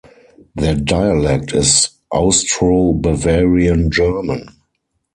Their dialect is Austro-Bavarian German.